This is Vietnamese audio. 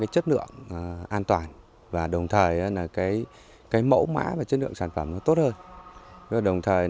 chất lượng an toàn và đồng thời là cái mẫu mã và chất lượng sản phẩm nó tốt hơn đồng thời